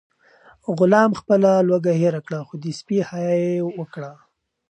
غلام خپله لوږه هېره کړه خو د سپي حیا یې وکړه.